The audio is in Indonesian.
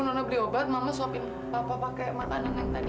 nona beli obat mama suapin papa pakai makanan yang tadi ya